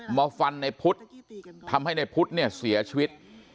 มาฟันในพุทธทำให้ในพุทธเนี่ยเสียชีวิต